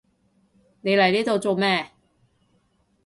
你嚟呢度做咩？